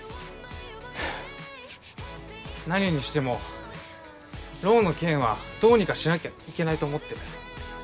何にしてもローンの件はどうにかしなきゃいけないと思ってる。